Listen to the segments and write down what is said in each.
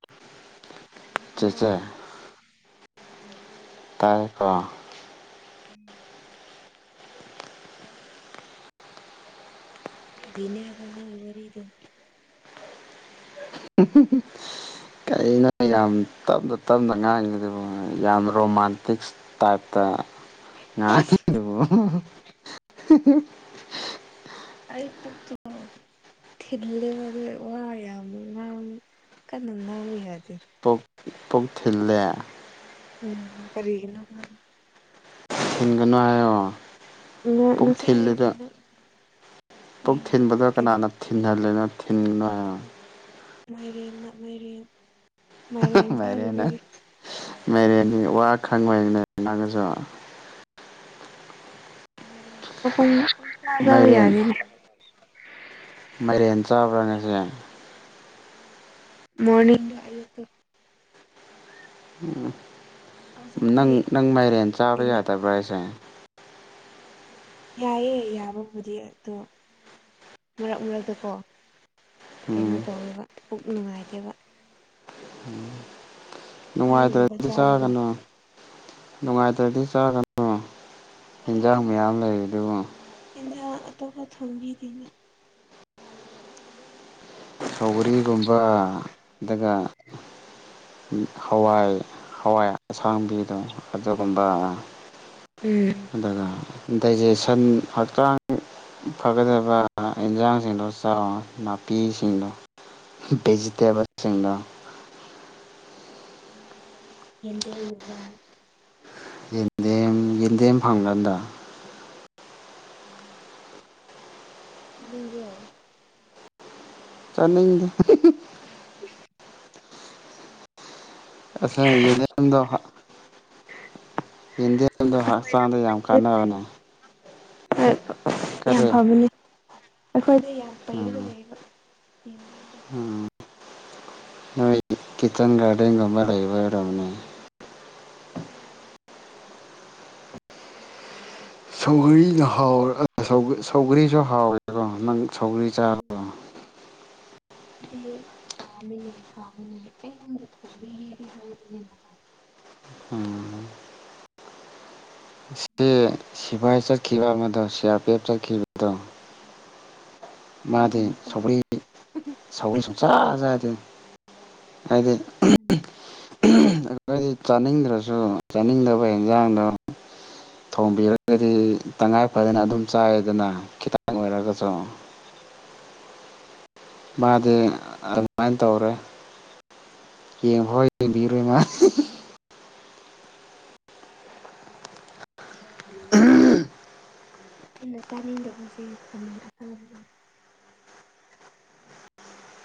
[unintelligible] ꯏꯅꯥꯎ ꯆꯦꯆꯦ ꯎꯝ ꯇꯥꯢꯀꯣ ꯎꯝ ꯀꯔꯤꯅꯦ ꯍꯥꯏꯕ ꯅꯪ ꯋꯥꯔꯤꯗ [unintelligible] ꯀꯩꯅꯣ ꯌꯥꯝ ꯇꯞꯅ ꯇꯞꯅ ꯉꯥꯡꯉꯗꯨ ꯌꯥꯝ ꯔꯣꯃꯥꯟꯇꯤꯛ ꯇꯥꯢꯞꯇ ꯍꯁ ꯉꯥꯡꯉꯤꯗꯨꯕꯨ [unintelligible] ꯑꯩ ꯄꯨꯛꯇꯣ ꯊꯤꯜꯂꯦꯕ ꯑꯗꯨꯒꯤ ꯋꯥ ꯌꯥꯝ ꯉꯥꯡ ꯀꯟꯅ ꯉꯥꯡꯕ ꯌꯥꯗꯦ ꯄꯨꯛ ꯄꯨꯛ ꯊꯤꯜꯂꯦ ꯎꯝ ꯀꯔꯤꯒꯤꯅꯣ ꯈꯪꯗꯦ ꯊꯤꯟꯒꯅꯨ ꯍꯥꯏꯌꯣ ꯎꯝ ꯄꯨꯛ ꯉꯁꯥꯢꯗꯤ ꯊꯤꯜꯂꯤꯗꯣ ꯅꯪ ꯄꯨꯛ ꯊꯤꯟꯕꯗ ꯀꯅꯥꯅ ꯊꯤꯟꯍꯜꯜꯂꯤꯅꯣ ꯊꯤꯟꯒꯅꯣ ꯍꯥꯏꯌꯣ ꯃꯥꯏꯔꯦꯟꯅ ꯃꯥꯏꯔꯦꯟ ꯃꯥꯏꯔꯦꯟ ꯃꯥꯢꯔꯦꯟ ꯆꯥꯔꯨꯕꯒꯤ ꯃꯥꯢꯔꯦꯟ ꯋꯥ ꯈꯪꯉꯣꯏꯅꯦ ꯅꯪꯁꯨ ꯃꯥꯏꯔꯦꯟ [unintelligible] ꯃꯥꯏꯔꯦꯟ ꯆꯥꯕ꯭ꯔꯣ ꯉꯁꯤ ꯃꯣꯔꯅꯤꯡꯗ ꯑꯌꯨꯛꯇ ꯎꯝ ꯍꯧꯖꯤꯛꯇꯤ ꯅꯪ ꯅꯪ ꯃꯥꯏꯔꯦꯟ ꯆꯥꯕ ꯀꯩꯅꯣ ꯌꯥꯗꯕ꯭ꯔꯣ ꯍꯥꯏꯁꯦ ꯌꯥꯏꯑꯦ ꯌꯥꯕꯕꯨꯗꯤ ꯑꯗꯣ ꯃꯔꯛ ꯃꯔꯛꯇ ꯀꯣ ꯀꯩꯅꯣ ꯎꯝ ꯇꯧꯋꯤꯕ ꯄꯨꯛ ꯅꯨꯡꯉꯥꯏꯇꯦꯕ ꯄꯥꯟꯒꯨꯝꯕ ꯅꯨꯡꯉꯥꯏꯇ꯭ꯔꯥꯗꯤ ꯆꯥꯕꯗꯣ ꯆꯥꯒꯅꯣ ꯅꯨꯡꯉꯥꯏꯇ꯭ꯔꯗꯤ ꯆꯥꯒꯗ꯭ꯔꯣ ꯌꯤꯟꯖꯥꯡ ꯃꯌꯥꯝ ꯂꯩꯔꯤꯗꯨꯕꯨ ꯏꯟꯅ ꯑꯇꯣꯞꯄ ꯊꯣꯟꯕꯤꯗꯅ ꯁꯧꯒꯔꯤꯒꯨꯝꯕ ꯑꯗꯨꯒ ꯍꯋꯥꯏ ꯍꯋꯥꯏ ꯑꯁꯥꯡꯕꯤꯗꯣ ꯑꯗꯨꯒꯨꯝꯕ ꯎꯝ ꯑꯗꯨꯒ ꯗꯥꯏꯖꯦꯁꯟ ꯍꯛꯆꯥꯡ ꯐꯒꯗꯕ ꯏꯟꯁꯥꯡꯁꯤꯡꯗꯣ ꯆꯥꯎ ꯅꯥꯄꯤꯁꯤꯡꯗꯣ ꯚꯦꯖꯤꯇꯦꯕꯜꯁꯤꯡꯗ ꯑꯦꯟꯗꯦꯝꯒꯨꯝꯕ ꯌꯦꯟꯗꯦꯝ ꯌꯦꯟꯗꯦꯝ ꯐꯪꯕ꯭ꯔꯥ ꯑꯗꯨꯗ ꯎꯝ ꯆꯥꯅꯤꯡꯕ꯭ꯔꯣ ꯆꯥꯅꯤꯡꯗꯦ ꯎ [unintelligible] ꯑꯠꯆꯥ ꯌꯦꯟꯗꯦꯝꯗꯣ ꯌꯦꯟꯗꯦꯝꯗꯣ ꯑꯩꯈꯣꯏꯗ ꯍꯛꯆꯥꯡꯗ ꯌꯥꯝ ꯀꯥꯟꯅꯕꯅꯦ ꯑ ꯌꯥꯝ ꯀꯔꯤ ꯐꯕꯅꯦ ꯑꯩꯈꯣꯏꯗ ꯌꯥꯝ ꯄꯩꯔꯒ ꯎꯝ ꯂꯩꯌꯦꯕ ꯌꯦ [inaudible] ꯎꯝ ꯅꯣꯏ ꯀꯤꯠꯆꯟ ꯒꯥꯔꯗꯦꯟꯒꯨꯝꯕ ꯂꯩꯕ ꯑꯣꯏꯔꯝꯅꯤ ꯁꯧꯒꯔꯤꯅ ꯍꯥꯎꯋꯦ ꯁꯧꯒꯔꯤꯁꯨ ꯍꯥꯎꯋꯦꯀꯣ ꯅꯪ ꯁꯧꯒꯔꯤ ꯆꯥꯔꯕꯣ [inaudible] ꯑꯦ ꯄꯥꯝꯃꯤꯅꯦ ꯊꯕꯅꯤ [inaudible] ꯑꯩ ꯊꯔꯤꯒꯗꯤ ꯍꯥꯏꯕ ꯑꯝ ꯁꯤ ꯁꯤꯐꯥꯏ ꯆꯠꯈꯤꯕ ꯑꯃꯗꯣ ꯁꯤ ꯑꯥꯔ ꯄꯤ ꯑꯦꯐ ꯆꯠꯈꯤꯕꯗꯣ ꯃꯥꯗꯤ ꯇꯥꯗꯕꯅꯤꯀꯣ ꯁꯥꯎꯒꯔꯤ ꯁꯥꯎꯜꯔꯤ ꯁꯨꯡꯆꯥ ꯆꯥꯗꯦ ꯍꯥꯏꯗꯤ ꯎꯝ ꯑꯩꯈꯣꯏ ꯆꯥꯅꯤꯡꯗ꯭ꯔꯁꯨ ꯆꯥꯅꯤꯡꯗꯕ ꯏꯟꯖꯥꯡꯗꯣ ꯊꯣꯡꯕꯤꯔꯒꯗꯤ ꯇꯉꯥꯏ ꯐꯗꯅ ꯑꯗꯨꯝ ꯆꯥꯏꯗꯅ ꯈꯤꯇꯪ ꯑꯣꯏꯔꯒꯁꯨ ꯃꯥꯗꯤ ꯑꯗꯨꯃꯥꯏꯅ ꯇꯧꯔꯦ ꯌꯦꯡꯐꯥꯎ ꯌꯦꯡꯕꯤꯔꯣꯏ ꯃꯥꯗꯤ ꯑꯩꯅ ꯆꯥꯅꯤꯡꯗꯕꯁꯦ ꯈꯃꯦꯟ ꯑꯄꯥꯕꯗꯣ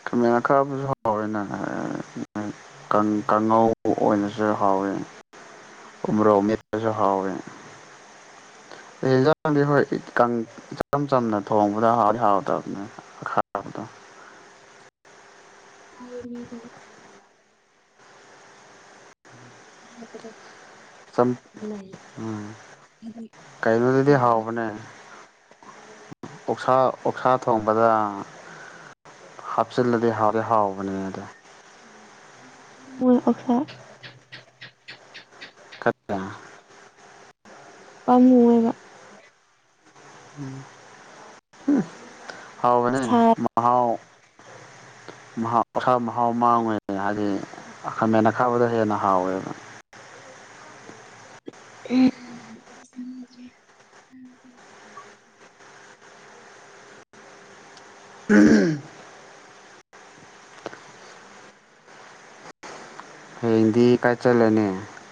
ꯈꯥꯃꯦꯟ ꯑꯈꯥꯕꯗꯤ ꯍꯥꯎꯋꯤꯅ ꯀꯥꯡꯉꯧ ꯀꯥꯡꯉꯧ ꯑꯣꯏꯅꯁꯨ ꯍꯥꯎꯋꯤ ꯎ ꯃꯣꯔꯣꯛ ꯃꯦꯠꯄꯁꯨ ꯍꯧꯋꯦ ꯌꯦꯟꯖꯥꯡꯗꯤ ꯍꯣꯏ ꯏꯆꯝ ꯆꯝꯅ ꯊꯣꯡꯕꯗ ꯍꯧꯗꯤ ꯍꯧꯇꯕꯅꯦ ꯈꯔꯕꯗ [unintelligible] ꯍꯥꯏꯌꯦ ꯃꯤꯗꯤ ꯗꯣ [unintelligible] ꯎꯝ ꯑꯩꯗꯤ ꯀꯩꯅꯣꯗꯗꯤ ꯌꯥꯗꯦ ꯍꯥꯎꯕꯅꯦ ꯑꯣꯛꯁꯥ ꯑꯣꯛꯁꯥ ꯊꯣꯡꯕꯗ ꯍꯥꯞꯆꯤꯗꯤ ꯍꯥꯎꯗꯤ ꯍꯥꯥꯎꯕꯅꯤꯍꯦ ꯃꯣꯏ ꯑꯣꯛꯁꯥ ꯄꯝꯃꯨꯢꯌꯦꯕ ꯎꯝ [inaudible] ꯁꯥ ꯍꯥꯎꯕꯅꯦ ꯃꯍꯥꯎ ꯃꯍꯥꯎ ꯑꯣꯛꯁꯥ ꯃꯍꯥꯎ ꯃꯥꯡꯉꯣꯢ ꯍꯥꯏꯗꯤ ꯈꯥꯃꯦꯟ ꯑꯈꯥꯕꯗꯣ ꯍꯦꯟꯅ ꯍꯥꯎꯋꯦꯕ ꯎꯝ [unintelligible] ꯎꯝ ꯍꯌꯦꯡꯗꯤ ꯀꯥꯏꯆꯠꯂꯅꯤ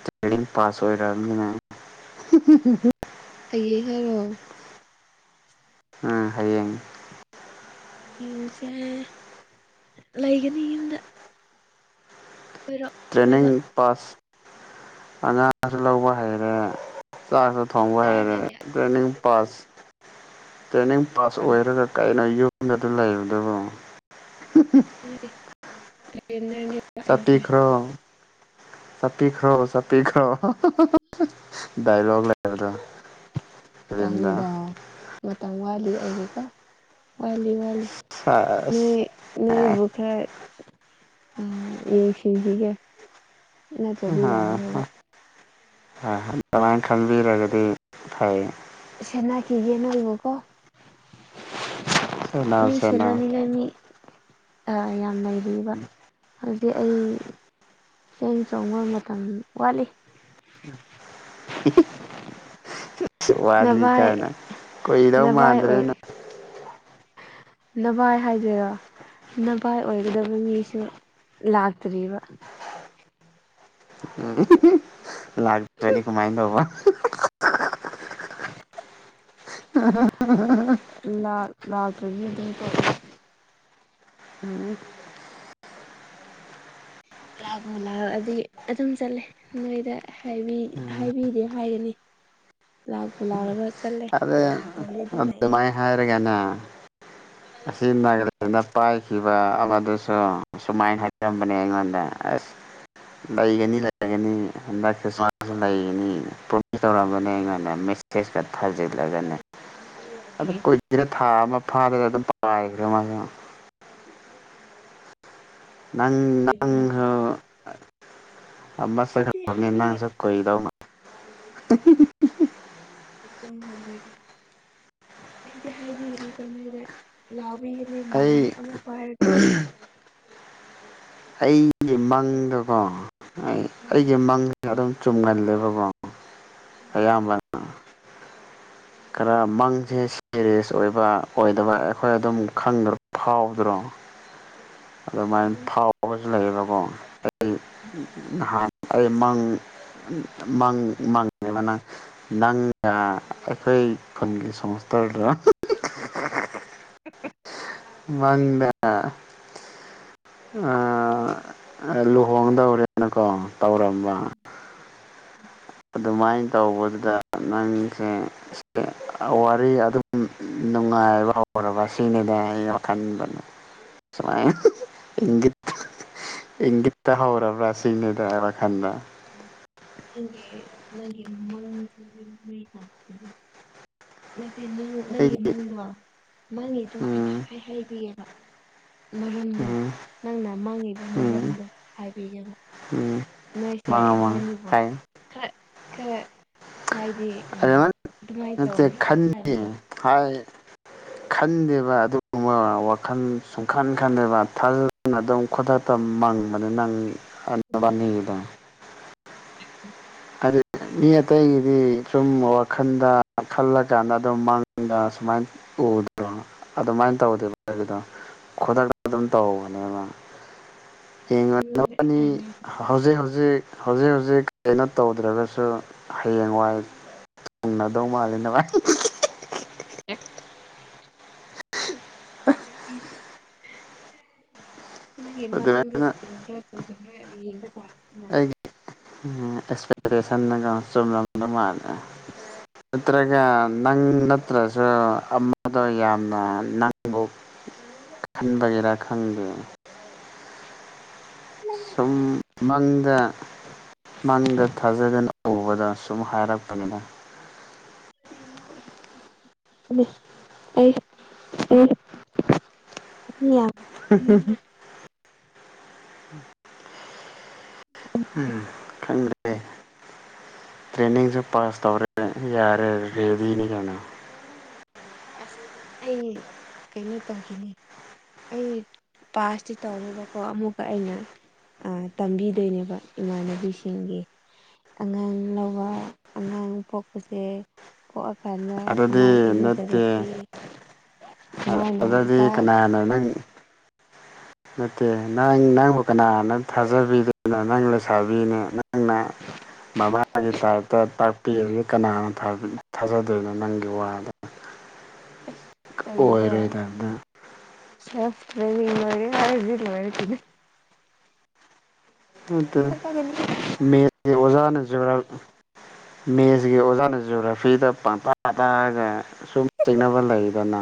ꯇꯔ꯭ꯦꯅꯤꯡ ꯄꯥꯁ ꯑꯣꯏꯔꯕꯅꯤꯅ ꯍꯥꯌꯦꯡ ꯍꯥꯏꯔꯣ ꯎꯝ ꯍꯌꯦꯡ ꯍꯌꯦꯡꯁꯦꯂꯩꯒꯅꯤ ꯌꯨꯝꯗ ꯀꯣꯏꯔꯣ ꯇ꯭ꯔꯦꯅꯤꯡ ꯄꯥꯁ ꯑꯉꯥꯡꯁꯨ ꯂꯧꯕ ꯍꯩꯔꯦ ꯆꯥꯛꯁꯨ ꯊꯣꯡꯕ ꯍꯩꯔꯦ ꯇ꯭ꯔꯦꯟꯅꯔꯅꯤꯅꯦ ꯇ꯭ꯔꯦꯅꯤꯡ ꯄꯥꯁ ꯇ꯭ꯔꯦꯅꯤꯡ ꯄꯥꯁ ꯑꯣꯏꯔꯒ ꯀꯩꯅꯣ ꯌꯨꯝꯗ ꯑꯗꯨꯝ ꯂꯩꯕꯗꯨꯕ [unintelligible] ꯆꯠꯄꯤꯈꯔꯣ ꯆꯠꯄꯤꯈ꯭ꯔꯣ ꯆꯠꯄꯤꯈ꯭ꯔꯣ ꯗꯥꯏꯂꯣꯛ ꯂꯩꯕꯗꯣ [unintelligible] ꯐꯤꯂꯝꯗ ꯇꯧꯅꯣꯗ ꯃꯇꯝ ꯋꯥꯠꯂꯤ ꯑꯩꯒꯤꯀꯣ ꯋꯥꯠꯂꯤ ꯋꯥꯠꯂꯤ ꯁꯦꯁ ꯅꯣꯏ ꯅꯣꯏ ꯕꯨ ꯈꯔ ꯌꯦꯡꯁꯤꯟꯕꯤꯒꯦ ꯅꯠꯇ꯭ꯔꯗꯤ ꯌꯥꯔ ꯔꯣꯏꯕ ꯑꯗꯨꯃꯥꯏꯅ ꯈꯪꯕꯤꯔꯒꯗꯤ ꯐꯩ ꯁꯦꯟꯅꯈꯤꯒꯦ ꯅꯣꯏꯕꯨꯀꯣ ꯁꯦꯟꯅꯧ ꯃꯤ ꯁꯦꯟꯅꯧ ꯁꯦꯅꯅꯤꯡꯉꯥꯢ ꯃꯤ ꯑ ꯌꯥꯝꯂꯩꯔꯤꯕ ꯍꯧꯖꯤꯛ ꯑꯩ ꯆꯦꯡ ꯆꯣꯡꯕ ꯃꯇꯝ ꯋꯥꯠꯂꯤ꯫ ꯍꯤ ꯍꯤ꯫ [inaudible] ꯋꯥꯠꯂꯤ ꯅꯚꯥꯏ ꯀꯥꯏꯅ ꯀꯣꯏꯗꯧ ꯅꯚꯥꯏ ꯃꯥꯟꯗ꯭ꯔꯦ ꯑꯣꯏ ꯅꯪ꯫ ꯅꯚꯥꯏ ꯍꯥꯏꯗꯣꯏꯔꯣ꯫ ꯅꯚꯥꯏ ꯑꯣꯏꯒꯗꯕ ꯃꯤꯁꯨ ꯂꯥꯛꯇ꯭ꯔꯤꯕ꯫ ꯎꯝ꯫ [inaudible] ꯂꯥꯛꯇꯔ꯭ꯗꯤ ꯀꯃꯥꯏ ꯇꯧꯕ꯫ ꯎ꯫ [unintelligible] ꯂꯥꯛ ꯂꯥꯛꯇ꯭ꯔꯗꯤ ꯑꯗꯨꯝ ꯇꯣꯛ ꯑꯦ꯫ ꯎꯝ꯫ ꯂꯥꯛꯄꯨ ꯂꯥꯛꯑꯗꯤ ꯑꯗꯨꯝ ꯆꯠꯂꯦ꯫ ꯅꯣꯏꯗ ꯍꯥꯏꯕꯤ ꯍꯥꯏꯕꯤꯗꯦ ꯍꯥꯏꯒꯅꯤ ꯂꯥꯛꯄꯨ ꯂꯥꯛꯑꯕ꯫ ꯆꯠꯂꯦ ꯂꯥꯛꯇ꯭ꯔꯗꯤ ꯑꯗꯨꯝ ꯂꯩꯔꯦ꯫ ꯍꯥꯏꯔꯒꯅ ꯑꯁꯤ [unintelligible] ꯑꯩꯅ ꯄꯥꯏꯈꯤꯕ ꯑꯃꯗꯨꯁꯨ ꯁꯨꯃꯥꯏꯅ ꯍꯥꯏꯖꯔꯝꯕꯅꯦ ꯑꯩꯉꯣꯟꯗ ꯑꯁ꯫ ꯂꯩꯒꯅꯤ ꯂꯩꯒꯅꯤ ꯍꯟꯗꯛ ꯈ꯭ꯔꯥꯏꯃꯥꯁ ꯂꯩꯒꯅꯤ ꯐꯣꯟꯁꯨ ꯇꯧꯔꯝꯕꯅꯦ ꯑꯩꯉꯣꯟꯗ ꯃꯦꯁꯦꯁ꯫ [unintelligible] ꯊꯥꯖꯤꯜꯂꯒꯅꯦ꯫ [inaudible] ꯑꯗꯨꯝ ꯀꯨꯏꯈ꯭ꯔꯦꯗ ꯊꯥ ꯑꯃ ꯐꯥꯔꯦ ꯑꯗꯨꯝ ꯄꯥꯏꯈ꯭ꯔꯦ ꯃꯥꯁꯦ꯫ ꯅꯪ ꯅꯥꯡꯁꯨ ꯑꯃ ꯑꯩꯗꯤ ꯆꯠꯈꯔꯗꯧꯅꯤꯅ ꯅꯪꯁꯨ꯫ ꯍꯥꯏꯕꯤꯒꯅꯤ ꯀꯨꯏꯗꯧ꯫ [unintelligible] ꯀꯨꯏꯗꯧ ꯃꯟꯗ꯭ꯔꯦ ꯑꯩ ꯑꯩꯗꯤ ꯍꯥꯏꯕꯤꯒꯅꯤꯀꯣ ꯅꯣꯏꯗ ꯂꯥꯎꯕꯤ꯫ ꯃꯍꯩ ꯑꯩ ꯑꯃ ꯄꯥꯏꯔꯒ ꯑꯩꯒꯤ ꯃꯪꯗꯀꯣ ꯑꯩꯒꯤ ꯃꯪꯗ꯫ ꯑꯗꯨꯝ ꯆꯨꯝꯒꯜꯂꯦꯕꯀꯣ ꯑꯌꯥꯝꯕꯅ꯫ ꯈꯔ ꯃꯪꯁꯦ ꯁꯦꯔꯤꯌꯁ ꯑꯣꯏꯕ ꯑꯣꯏꯗꯕ ꯑꯩꯈꯣꯏ ꯑꯗꯨꯝ ꯈꯪꯗ꯭ꯔꯣ ꯐꯥꯎꯗ꯭ꯔꯣ꯫ [inaudible] ꯑꯗꯨꯃꯥꯏꯅ ꯐꯥꯎꯕꯁꯨ ꯂꯩꯌꯦꯕꯀꯣ ꯑꯩ ꯅꯍꯥꯟ꯫ ꯑꯩ ꯃꯪ ꯃꯪ ꯃꯪꯉꯦꯕ ꯅꯪꯒ꯫ ꯑꯩꯈꯣꯏ ꯈꯨꯟꯒꯤ [unintelligible] ꯍꯥ ꯍꯥ꯫ [inaudible] ꯃꯪꯗ ꯑꯥꯥ ꯂꯨꯍꯣꯡꯗꯧꯔꯦꯅꯀꯣ ꯇꯧꯔꯝꯕ꯫ ꯎꯝ꯫ [inaudible] ꯑꯗꯨꯃꯥꯏ ꯇꯧꯕꯗꯨꯗ ꯅꯪꯁꯦ꯫ ꯋꯥꯔꯤ ꯑꯗꯨꯝ ꯅꯨꯡꯉꯥꯏꯕ ꯍꯧꯔꯕꯁꯤꯅꯤꯗ ꯑꯩ ꯋꯥꯈꯜꯗ ꯁꯨꯃꯥꯏ ꯏꯪꯒꯤꯠꯇ ꯏꯪꯒꯤꯠꯇ ꯍꯧꯔꯕ ꯁꯤꯅꯤꯗ ꯑꯩ ꯋꯥꯈꯜꯗ꯫ ꯅꯪꯒꯤ ꯅꯪꯒꯤ ꯃꯪꯆꯨꯕꯤ꯫ [unintelligible] ꯅꯠꯇꯦ ꯅꯪ ꯅꯪꯒꯤ ꯑꯩꯒꯤ ꯃꯪꯗꯣ ꯅꯪꯒꯤꯗꯣ ꯑꯩꯅ ꯎꯝ ꯉꯁꯥꯢ ꯍꯥꯏꯕꯤꯌꯦꯕ ꯃꯔꯝꯗꯣ ꯎꯝ ꯅꯪꯅ ꯃꯪꯉꯤꯕ ꯎꯝ ꯃꯔꯝꯗꯣ ꯍꯥꯏꯕꯤꯒꯦꯕ꯫ ꯎꯝ ꯅꯣꯏꯁꯦ ꯃꯉꯥ ꯃꯉꯥ ꯏꯕꯥꯅꯤꯕꯨ ꯍꯥꯏ ꯈꯔ ꯈꯔ ꯍꯥꯏꯗꯤ ꯑꯗꯨꯃꯥꯏꯅ ꯅꯠꯇꯦ ꯇꯧꯕ꯭ꯔꯥ ꯈꯟꯗꯦ ꯍꯥꯏꯕꯗꯣ ꯍꯥꯏ [inaudible] ꯈꯟꯗꯦꯕ ꯑꯗꯨꯒꯨꯝꯃ ꯋꯥꯈꯟ ꯁꯨꯡꯈꯟ ꯈꯟꯗꯦꯕ ꯊꯥꯖꯅ ꯑꯗꯨꯝ ꯈꯗꯥꯇ ꯃꯥꯡ ꯃꯅꯤ ꯅꯪ ꯑꯩꯉꯣꯟꯗ ꯑꯕꯥꯟꯗ [inaudible] ꯍꯥꯏꯗꯤ ꯃꯤ ꯑꯇꯩꯒꯤꯗꯤ ꯁꯨꯝ ꯋꯥꯈꯜꯗ ꯈꯜꯂꯀꯥꯟꯗ ꯑꯗꯨꯝ ꯃꯥꯡꯗ ꯁꯨꯃꯥꯏꯅ ꯎꯗ꯭ꯔꯣ ꯑꯗꯨꯃꯥꯏꯅ ꯇꯧꯗꯦꯕ ꯑꯩꯒꯤꯗꯣ ꯈꯨꯗꯛꯇ ꯑꯗꯨꯝ ꯇꯧꯕꯅꯦꯕ ꯌꯦꯡꯉꯣ ꯅꯥꯕꯅꯤ ꯑꯦꯛꯁꯄꯔꯤꯃꯦꯟ ꯍꯧꯖꯤꯛ ꯍꯧꯖꯤꯛ ꯍꯧꯖꯤꯛ ꯍꯧꯖꯤꯛ ꯀꯩꯅꯣ ꯇꯧꯗ꯭ꯔꯒꯁꯨ ꯍꯌꯦꯡꯋꯥꯏ ꯊꯨꯡꯅꯗꯧ ꯃꯥꯜꯂꯤ ꯅꯥꯕꯅꯤ ꯁꯤꯐ ꯃꯥꯔꯤ ꯅꯪꯒꯤ ꯃꯪꯗꯣ ꯑꯗꯨꯃꯥꯏꯅ ꯆꯨꯝꯒꯦ ꯑꯗꯨ ꯀꯦ ꯑꯦꯛꯁꯄꯦꯛꯇꯦꯁꯟ ꯆꯨꯝꯂꯝꯝꯗꯧ ꯃꯥꯜꯂꯦ ꯅꯠꯇ꯭ꯔꯒ ꯃꯪ ꯅꯠꯇ꯭ꯔꯁꯨ ꯑꯃꯗ ꯌꯥꯝꯅ ꯅꯪꯕꯨ ꯈꯟꯕꯒꯦꯔꯥ ꯈꯪꯗꯦ ꯁꯨꯝ ꯃꯪꯗ ꯃꯪꯗ ꯊꯥꯖꯗꯅ ꯎꯕꯗꯣ ꯁꯨꯝ ꯍꯥꯏꯔꯛꯄꯅꯤꯗ ꯑꯩ ꯎꯝ ꯍ [unintelligible] ꯎꯝ ꯊꯪꯗ ꯇ꯭ꯔꯦꯅꯤꯡꯁꯨ ꯄꯥꯁ ꯇꯧꯔꯦ ꯌꯥꯔꯦ ꯔꯦꯗꯤꯅꯤ ꯀꯩꯅꯣ ꯑꯁ ꯑꯩ ꯀꯩꯅꯣ ꯇꯧꯈꯤꯅꯤ ꯑꯩ ꯄꯥꯁꯇꯤ ꯇꯧꯔꯦꯕꯀꯣ ꯑꯃꯨꯛꯀ ꯑꯩꯅ ꯇꯝꯕꯤꯗꯣꯏꯅꯦꯕ ꯏꯃꯥꯟꯅꯕꯤꯁꯤꯡꯒꯤ ꯑꯉꯥꯡ ꯂꯧꯕ ꯑꯉꯥꯡ ꯄꯣꯛꯄꯁꯦ ꯄꯣꯛꯑꯀꯥꯟꯗ ꯑꯗꯨꯗꯤ ꯀꯃꯥꯏ ꯅꯠꯇꯦ ꯏꯔꯨꯖꯒꯅꯤ ꯅ ꯅ ꯆ ꯑꯗꯨꯗꯤ ꯀꯅꯥꯅ ꯅꯪ ꯅꯠꯇꯦ ꯅꯪ ꯅꯪꯕꯨ ꯀꯅꯥꯅ ꯊꯥꯖꯕꯤꯗꯣꯏꯅꯣ ꯅꯪ ꯂꯩꯁꯥꯕꯤꯅꯤ ꯅꯪꯅ ꯃꯃꯥꯒꯤ ꯇꯥꯏꯞꯇ ꯇꯥꯛꯄꯤꯔꯗꯤ ꯀꯅꯥꯅ ꯊꯥꯖꯗꯣꯏꯅꯣ ꯅꯪꯒꯤ ꯋꯥꯗ ꯀꯔꯤꯔ ꯑꯣꯏꯔꯣꯏꯗꯕꯗ ꯆ ꯃꯔꯤꯦ ꯍꯥꯏ ꯃꯦ ꯊꯥꯖꯒꯅꯤ ꯃ ꯔꯖꯥꯅꯁꯨꯨꯔꯥ ꯃꯦꯠꯁꯀꯤ ꯑꯣꯖꯥꯅ ꯖꯑꯣꯒ꯭ꯔꯥꯐꯤꯗ ꯄꯥꯡꯇꯥ ꯇꯥꯔꯒ ꯁꯨꯝ ꯆꯤꯡꯅꯕ ꯂꯩꯗꯅ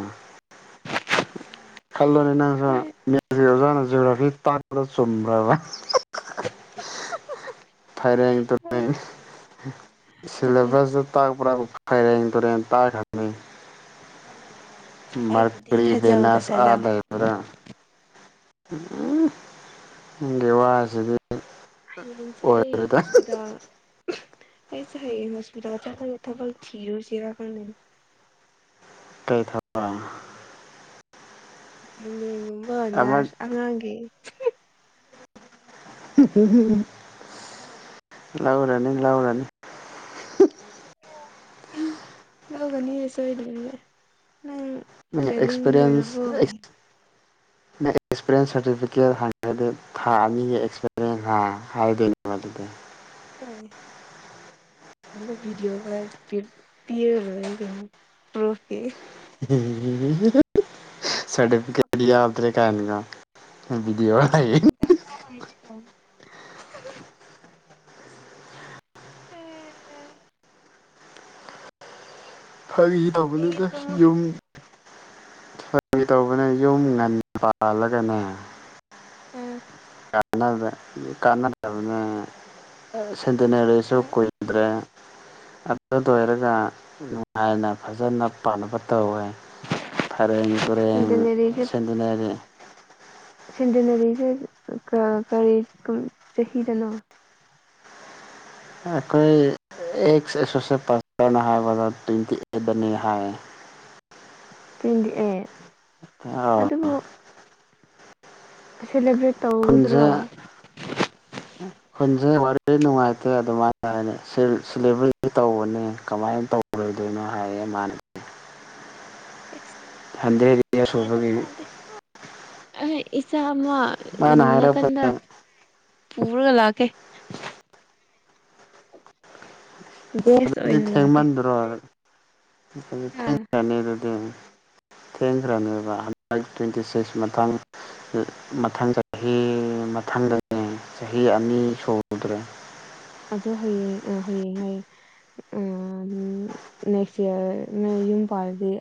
ꯈꯜꯂꯣꯅꯦ ꯅꯪꯖꯨ ꯃꯦꯠꯖꯁ ꯀꯤ ꯑꯣꯖꯅꯥ ꯖꯣꯒꯔꯥꯐꯤ ꯇꯥꯛꯄꯗ ꯆꯨꯝꯈꯔꯕ ꯐꯩꯔꯦꯡ ꯇꯨꯔꯦꯡ ꯁꯤꯂꯦꯕꯁꯇ ꯇꯥꯛꯄ꯭ꯔꯥ ꯐꯩꯔꯦꯡ ꯇꯨꯔꯦꯟ ꯇꯥꯛꯈꯔꯅꯤ ꯑꯩꯕꯨꯗꯤ ꯃꯔꯀꯔꯤ ꯊꯥꯖꯧꯗ ꯕꯦꯅꯁ ꯑꯥ ꯊꯥꯖꯧ ꯂꯩꯕ꯭ꯔꯥ ꯎ ꯅꯪꯒꯤ ꯋꯥꯁꯤꯗꯤ ꯍꯌꯦꯡꯁꯦ ꯑꯩ ꯑꯣꯏꯔꯣꯏꯗ ꯍꯣꯁꯄꯤꯇꯥꯜ ꯑꯩꯁꯦ ꯍꯌꯦꯡ ꯍꯣꯁꯄꯤꯇꯥꯜ ꯆꯠꯂꯒ ꯊꯥꯕꯛ ꯊꯤꯔꯨꯁꯤꯔꯥ ꯈꯪꯗꯦꯅꯦ ꯀꯩ ꯊꯥꯕꯛ ꯆꯦꯟꯗꯦꯡꯒꯨꯝꯕ ꯑꯃ ꯅꯔꯁ ꯑꯉꯥꯡꯒꯤ ꯂꯥꯎꯔꯅꯤ ꯂꯥꯎꯔꯅꯤ ꯂꯧꯒꯅꯤ ꯍꯦ ꯁꯣꯏꯗꯕꯤ ꯅꯪ ꯇ꯭ꯔꯦꯅꯤꯡ ꯑꯦꯛꯁꯄꯦꯔꯤꯟꯁ ꯂꯣꯏꯔꯕꯣ ꯀꯥꯏ ꯑꯦꯛꯁꯄꯤꯔꯤꯌꯦꯟꯁ ꯁꯥꯔꯇꯤꯐꯤꯀꯦꯠ ꯍꯪꯉꯒꯗꯤ ꯊꯥ ꯑꯅꯤꯒꯤ ꯑꯦꯛꯁꯄꯤꯔꯤꯌꯦꯟꯁ ꯍꯥꯏꯗꯣꯏꯅꯦꯕ ꯑꯗꯨꯗꯤ ꯑ ꯀꯣ ꯤꯗꯤꯑꯣ ꯀ ꯄ ꯄꯤꯌ ꯑꯣꯏ ꯀꯣ ꯄ꯭ꯔꯣꯐꯀꯤ ꯁꯥꯔꯐꯤꯀꯦꯠ ꯇꯤ ꯌꯥꯎꯗꯔ꯭ꯦ ꯒꯥꯏꯅꯒ ꯍ ꯐꯇ ꯐꯦ ꯇ ꯀ ꯑꯣꯏ ꯂꯩ ꯀ ꯐꯒꯤ ꯊꯦꯡꯉꯦ ꯊꯦꯡꯉꯦ ꯇꯧꯕꯅꯤꯅ ꯇꯨꯝꯃꯣ ꯌꯨꯝ ꯐꯥꯒꯤ ꯇꯧꯕꯅ ꯌꯨꯝ ꯉꯟꯅ ꯄꯥꯜꯂꯒꯅꯦ ꯎꯥ ꯀꯥꯟꯗ ꯀꯥꯟꯅꯗꯕꯅꯦ ꯁꯤꯟꯗꯅꯔꯤꯁꯨ ꯀꯨꯏꯗ꯭ꯔꯦ ꯑꯗꯨ ꯂꯣꯏꯔꯒ ꯅꯨꯡꯉꯥꯏꯅ ꯐꯖꯅ ꯄꯥꯟꯅꯕ ꯇꯧꯍꯦ ꯐꯩꯔꯦꯡ ꯇꯨꯔꯦꯡ ꯁꯦꯟꯇꯅꯔꯤꯁꯦ ꯁꯟꯗꯅꯔꯤ ꯁꯦꯟꯗꯅꯔꯤꯁꯦ ꯀꯔꯤ ꯆꯍꯤꯗꯅꯣ ꯑꯩꯈꯣꯏ ꯑꯦꯛꯁ ꯑꯦꯁꯣꯁꯌꯦꯠ ꯄꯥꯁꯇꯔꯅ ꯍꯥꯏꯕꯗ ꯇ꯭ꯋꯦꯟꯇꯤ ꯑꯦꯗꯅꯤ ꯍꯥꯏ ꯇ꯭ꯋꯦꯟꯇꯤ ꯑꯩꯠ ꯑ ꯁꯦꯂꯦꯕ꯭ꯔꯦꯠ ꯇꯧꯒꯗ꯭ꯔꯣ ꯎꯝ ꯁ ꯋꯥꯔꯤ ꯅꯨꯡꯉꯥꯏꯇꯦ ꯑꯗꯨꯃꯥꯏꯅ ꯇꯧꯕꯅꯦ ꯀꯃꯥꯏ ꯇꯧꯕ ꯄꯨꯔꯣꯏꯗꯣꯏꯅꯣ ꯍꯥꯏꯌꯦ ꯃꯥꯅ ꯍꯟꯗ꯭ꯔꯦꯠ ꯏꯌꯥꯔ ꯁꯨꯕꯒꯤ ꯑ ꯏꯆꯥ ꯑꯃ ꯃꯥꯅ ꯅꯥꯀꯟꯗ ꯍꯥꯏꯔꯛꯄꯅꯦ ꯄꯨꯔꯒ ꯂꯥꯛꯀꯦ ꯒꯦꯁ ꯑꯗꯨꯗꯤ ꯑꯣꯏꯅ ꯂꯥꯛꯀꯦ ꯊꯦꯡꯃꯟꯗ꯭ꯔꯣ ꯑꯗꯨꯗꯤ ꯊꯦꯡꯑꯅꯤ ꯑꯗꯨꯗꯤ ꯊꯦꯡꯈ꯭ꯔꯅꯕ ꯍꯟꯗ꯭ꯔꯦꯠ ꯇ꯭ꯋꯦꯟꯇꯤ ꯁꯤꯛꯁ ꯃꯊꯥꯡ ꯃꯊꯪ ꯆꯍꯤ ꯃꯊꯪꯗꯅꯦ ꯆꯍꯤ ꯑꯅꯤ ꯁꯨꯗ꯭ꯔꯦ ꯑꯗꯨ ꯍꯌꯦꯡ ꯑꯥ ꯍꯌꯦꯡ ꯍꯌꯦꯡ ꯍꯥꯢꯌꯦ ꯅꯦꯛꯁ ꯏꯌꯥꯔ ꯅ ꯌꯨꯝ ꯄꯥꯜꯂꯗꯤ